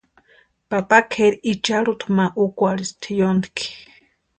Papa kʼeri icharhuta ma úkwarhispti yóntki.